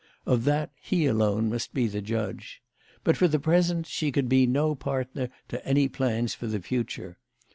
Of that he alone must be the judge. But, for the present, she could be no partner to any plans for the future.